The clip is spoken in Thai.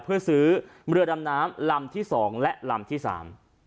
เพื่อซื้อเรือดำน้ำลำที่สองและลำที่สาม